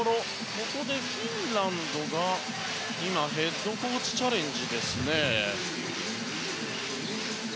ここでフィンランドがヘッドコーチチャレンジです。